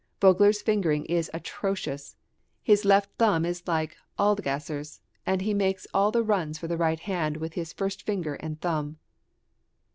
Vogler's fingering is atrocious; his left thumb is like Adlgasser's, and he makes all the runs for the right hand with his first finger and thumb.